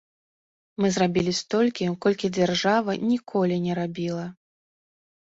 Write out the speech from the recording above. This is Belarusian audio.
Мы зрабілі столькі, колькі дзяржава ніколі не рабіла.